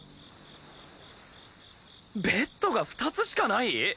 ベッドが２つしかない！？